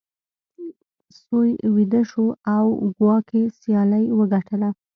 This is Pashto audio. سوی ویده شو او کواګې سیالي وګټله.